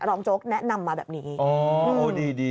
โจ๊กแนะนำมาแบบนี้